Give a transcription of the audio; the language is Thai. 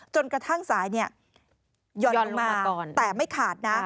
จนกระทั่งสายหย่อนลงมาแต่ไม่ขาดนะ